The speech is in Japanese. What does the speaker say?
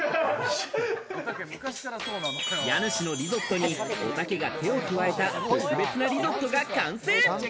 家主のリゾットに、おたけが手を加えた特別なリゾットが完成。